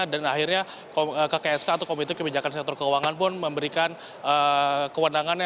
dan akhirnya kksk atau komite kebijakan sektor keuangan pun memberikan kewenangan